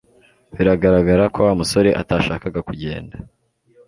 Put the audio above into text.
Biragaragara ko Wa musore atashakaga kugenda